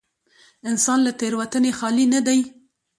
انسان له تېروتنې خالي نه دی.